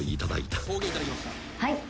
「はい。